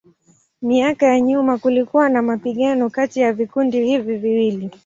Miaka ya nyuma kulikuwa na mapigano kati ya vikundi hivi viwili.